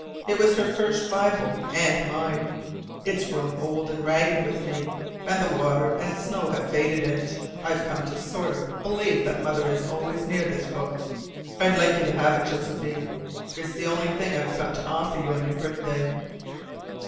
It was her first Bible, and mine. It's grown old and ragged with me, and the water and snow have faded it. I've come to sort of believe that mother is always near this Book. I'd like you to have it, Josephine. It's the only thing I've got to offer you on your birthday."